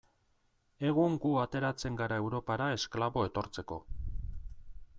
Egun gu ateratzen gara Europara esklabo etortzeko.